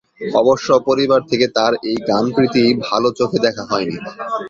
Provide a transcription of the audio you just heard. অবশ্য পরিবার থেকে তার এই গান প্রীতি ভাল চোখে দেখা হয়নি।